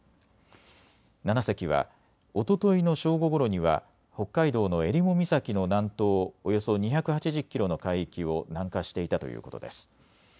７隻はおとといの正午ごろには北海道の襟裳岬の南東およそ２８０キロの海域を南下していたということです。